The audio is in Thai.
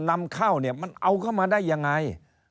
นำเข้าเนี่ยมันเอาเข้ามาได้ยังไง